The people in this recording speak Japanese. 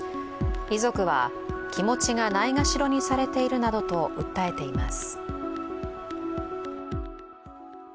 遺族は、気持ちがないがしろにされているなどと訴えています。